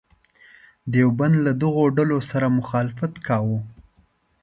دیوبند له دغو ډلو سره مخالفت وکاوه.